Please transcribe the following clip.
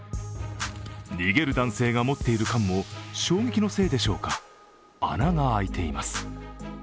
逃げる男性が持っている缶も衝撃のせいでしょうか穴が開いています。